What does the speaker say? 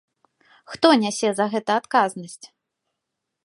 Хто нясе за гэта адказнасць?